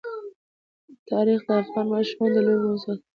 تاریخ د افغان ماشومانو د لوبو موضوع ده.